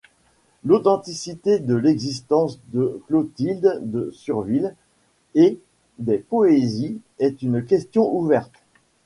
L'authenticité de l'existence de Clotilde de Surville et des poésies est une question ouverte.